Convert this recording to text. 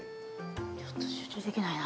ちょっと集中できないな。